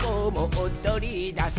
おどりだす」